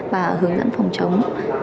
và hướng dẫn phòng chống